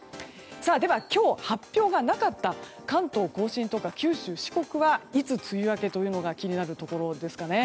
では、今日発表がなかった関東・甲信とか九州・四国はいつ梅雨明けというのか気になるところですよね。